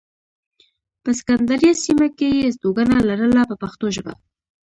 په سکندریه سیمه کې یې استوګنه لرله په پښتو ژبه.